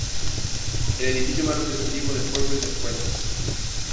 El edificio más representativo del pueblo es la escuela.